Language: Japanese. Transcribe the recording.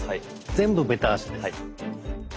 全部ベタ足です。